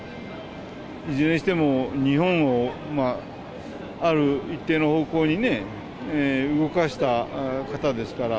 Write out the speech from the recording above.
いずれにしても日本をある一定の方向にね、動かした方ですから。